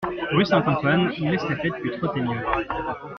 Rue Saint-Antoine, l'estafette put trotter mieux.